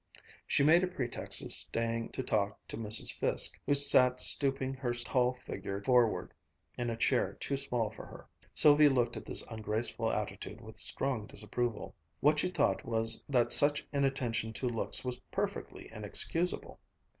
She made a pretext of staying to talk to Mrs. Fiske, who sat stooping her tall figure forward in a chair too small for her. Sylvia looked at this ungraceful attitude with strong disapproval. What she thought was that such inattention to looks was perfectly inexcusable.